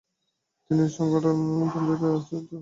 তিনি সংগঠন ছেড়ে পাঞ্জাব আর্য সমাজ গঠন করেন।